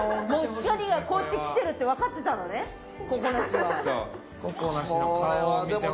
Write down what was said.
もう光がこうやって来てるってわかってたのね？